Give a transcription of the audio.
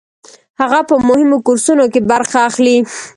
هغه په مهمو کورسونو کې برخه اخلي.